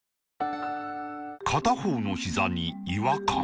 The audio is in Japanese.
片方のひざに違和感